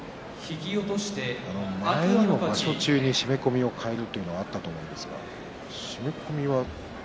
前にも場所中に締め込みを替えるということがあったと思いますが締め込みは？